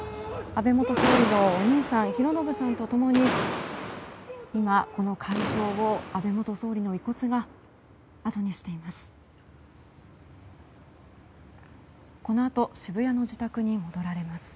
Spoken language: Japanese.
安倍元総理のお兄さん寛信さんと共に今、この会場を安倍元総理の遺骨があとにしています。